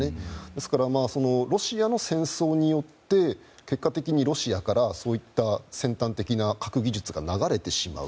ですから、ロシアの戦争によって結果的にロシアから、そういった先端的な核技術が流れてしまう。